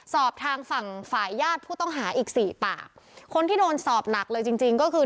สอบทางฝั่งฝ่ายญาติผู้ต้องหาอีกสี่ปากคนที่โดนสอบหนักเลยจริงจริงก็คือ